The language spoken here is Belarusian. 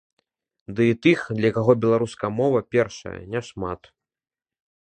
Ды і тых, для каго беларуская мова першая, няшмат.